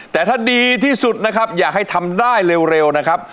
แต่ถ้าดีที่สุดนะครับอยากให้ทำได้เร็วนะครับ